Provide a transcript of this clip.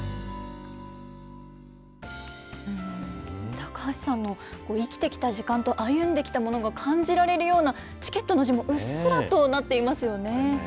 高橋さんの生きてきた時間と歩んできたものが感じられるような、チケットの文字もうっすらとなっていますよね。